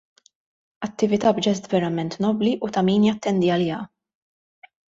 Attività b'ġest verament nobbli u ta' min jattendi għaliha.